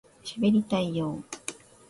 しゃべりたいよ～